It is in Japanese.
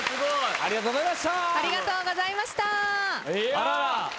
ありがとうございます。